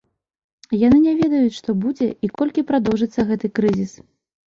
Яны не ведаюць, што будзе і колькі прадоўжыцца гэты крызіс.